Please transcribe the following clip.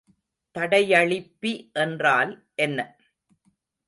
தடையளிப்பி என்றால் என்ன?